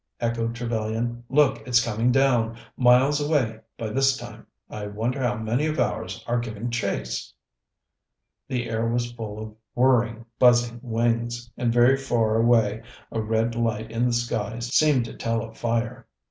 echoed Trevellyan. "Look! it's coming down. Miles away, by this time. I wonder how many of ours are giving chase." The air was full of whirring, buzzing wings, and very far away a red light in the sky seemed to tell of fire.